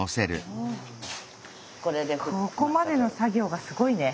ここまでの作業がすごいね！